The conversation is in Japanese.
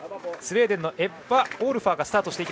スウェーデンのエッバ・オールファーがスタート。